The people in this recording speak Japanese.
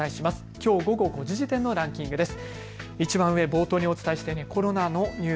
きょう午後５時時点のランキングです。